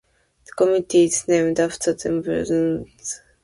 The community is named after Danvers, Massachusetts.